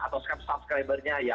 followernya atau subscribernya ya